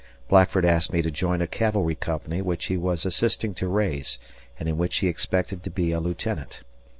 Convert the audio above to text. Blackford asked me to join a cavalry company which he was assisting to raise and in which he expected to be a lieutenant.